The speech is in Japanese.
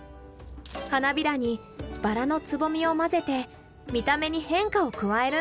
花びらにバラのつぼみを混ぜて見た目に変化を加えるんだ。